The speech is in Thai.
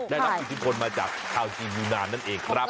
ได้รับอิทธิพลมาจากชาวจีนยูนานนั่นเองครับ